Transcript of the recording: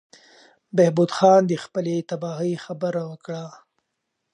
بهبود خان د خپلې تباهۍ خبره وکړه.